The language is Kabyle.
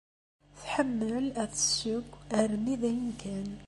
Tḥemmel ad tesseww armi dayen kan.